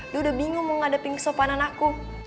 dia udah bingung mau ngadepin kesopanan aku